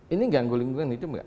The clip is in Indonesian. ini ganggu lingkungan hidup nggak